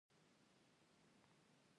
کشکې د هغې پيريان مسلمان وای